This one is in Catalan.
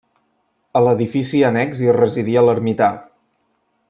A l'edifici annex hi residia l'ermità.